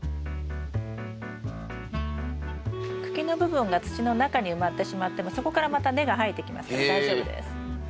茎の部分が土の中に埋まってしまってもそこからまた根が生えてきますから大丈夫です。